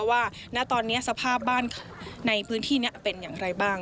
ณตอนนี้สภาพบ้านในพื้นที่นี้เป็นอย่างไรบ้าง